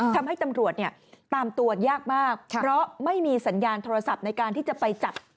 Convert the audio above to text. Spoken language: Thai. ทำให้ตำรวจเนี่ยตามตัวยากมากเพราะไม่มีสัญญาณโทรศัพท์ในการที่จะไปจับ